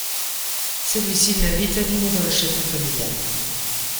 Celui-ci l'invite à dîner dans le château familial.